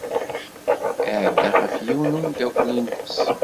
Iɛedda ɣef yiwen n umeddakel-nnes.